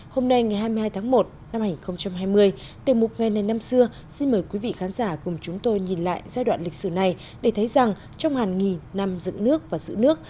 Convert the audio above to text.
hôm nay ngày hai mươi hai tháng một năm hai nghìn hai mươi từ một ngày này năm xưa xin mời quý vị khán giả cùng chúng tôi nhìn lại giai đoạn lịch sử này để thấy rằng trong hàng nghìn năm dựng nước và giữ nước